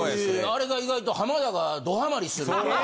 あれが意外と浜田がドハマりするっていう。